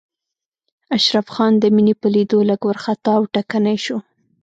اشرف خان د مينې په ليدو لږ وارخطا او ټکنی شو.